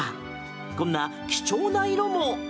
こんな貴重な色も。